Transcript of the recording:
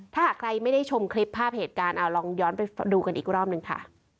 ถ้าหากใครไม่ได้ชมคลิปภาพเหตุการณ์เอาลองย้อนไปดูกันอีกรอบหนึ่งค่ะ